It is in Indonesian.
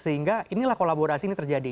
sehingga inilah kolaborasi ini terjadi